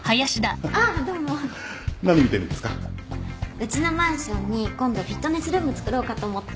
うちのマンションに今度フィットネスルームつくろうかと思って。